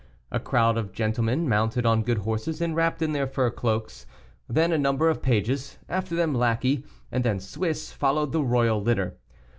A crowd of gentlemen, mounted on good horses and wrapped in their fur cloaks, then a number of pages, after them lackey, and then Swiss, followed the royal litter.